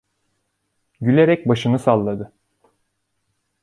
Gülerek başını salladı.